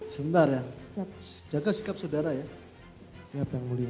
sebentar ya jaga sikap sodara ya siap yang mulia